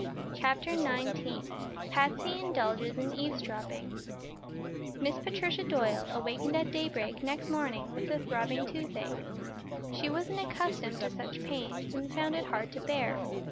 CHAPTER XIX PATSY INDULGES IN EAVESDROPPING Miss Patricia Doyle awakened at daybreak next morning with a throbbing toothache. She wasn't accustomed to such pains and found it hard to bear.